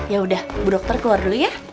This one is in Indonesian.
ya udah bu dokter keluar dulu ya